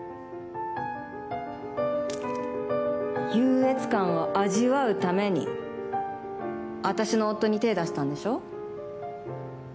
優越感を味わうために私の夫に手を出したんでしょう？